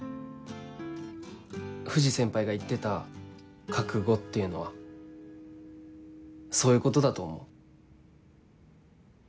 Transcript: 藤先輩が言ってた「覚悟」っていうのはそういうことだと思う。